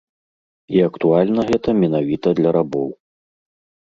І актуальна гэта менавіта для рабоў.